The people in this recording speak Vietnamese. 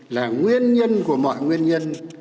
là nguyên nhân của mọi nguyên nhân